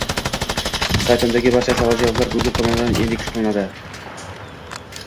Saytimdagi barcha savol-javoblar Google tomonidan indeks qilinadi